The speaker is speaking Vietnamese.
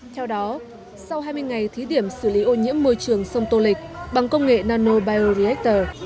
sau đó sau hai mươi ngày thí điểm xử lý ô nhiễm môi trường sông tô lịch bằng công nghệ nano bio reactor